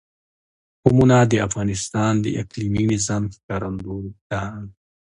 قومونه د افغانستان د اقلیمي نظام ښکارندوی ده.